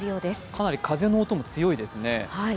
かなり風の音も強いですね。